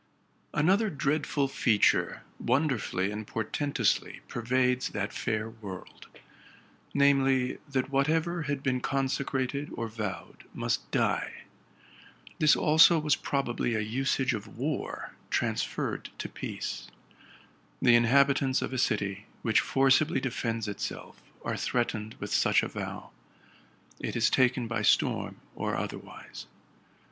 Another dreadful feature wonderfully and portentously pervades that fair world; namely, that whatever had been consecrated or vowed must die. This also was probably a usage of war transferred to peace. The inhabitants of a city which forcibly defends itself are threatened with such a vow: it is taken by storm or otherwise.